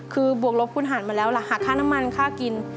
คือบวกลบคุณหารมาแล้วล่ะหาค่าน้ำมันค่ากิน